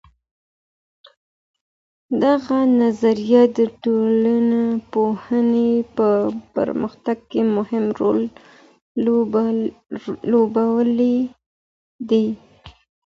دغه نظريه د ټولنپوهنې په پرمختګ کي مهم رول لوبولی دی.